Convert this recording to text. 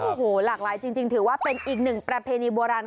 โอ้โหหลากหลายจริงถือว่าเป็นอีกหนึ่งประเพณีโบราณ